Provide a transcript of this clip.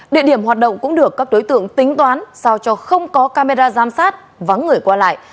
địa điểm hoạt động cũng được các đối tượng tính toán sao cho không có camera giám sát vắng người qua lại